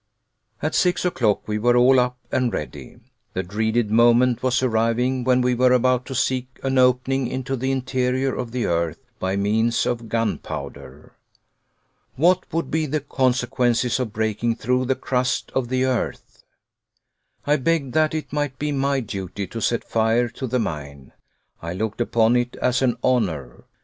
At six o'clock we were all up and ready. The dreaded moment was arriving when we were about to seek an opening into the interior of the earth by means of gunpowder. What would be the consequences of breaking through the crust of the earth? I begged that it might be my duty to set fire to the mine. I looked upon it as an honor.